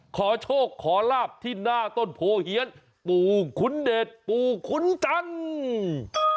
ขอโชคขอลาบที่หน้าต้นโพเฮียนปู่ขุนเดชปู่ขุนจันทร์